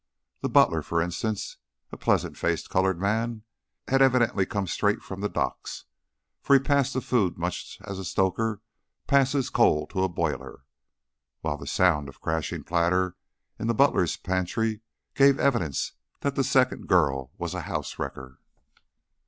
The butler, for instance, a pleasant faced colored man, had evidently come straight from the docks, for he passed the food much as a stoker passes coal to a boiler, while the sound of a crashing platter in the butler's pantry gave evidence that the second girl was a house wrecker.